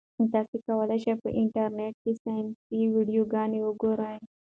تاسي کولای شئ په انټرنيټ کې ساینسي ویډیوګانې وګورئ.